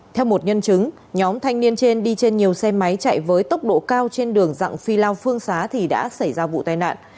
theo một nhân chứng nhóm thanh niên trên đi trên nhiều xe máy chạy với tốc độ cao trên đường dặn phi lao phương xá thì đã xảy ra vụ tai nạn